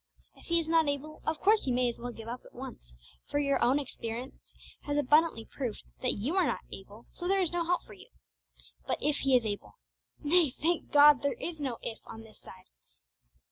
If He is not able, of course you may as well give up at once, for your own experience has abundantly proved that you are not able, so there is no help for you. But if He is able nay, thank God there is no 'if' on this side!